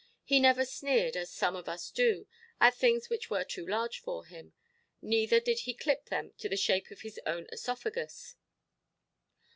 He never sneered, as some of us do, at things which were too large for him, neither did he clip them to the shape of his own œsophagus.